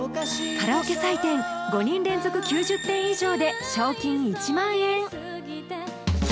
カラオケ採点５人連続９０点以上で賞金１万円